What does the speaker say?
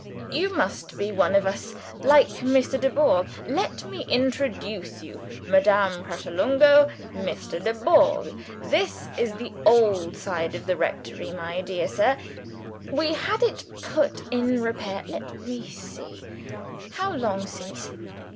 You must be one of us like Mr. Dubourg. Let me introduce you. Madame Pratolungo Mr. Dubourg. This is the old side of the rectory, my dear sir. We had it put in repair let me see: how long since?